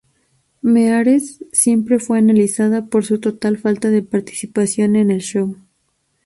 Meares siempre fue analizada por su total falta de participación en el show.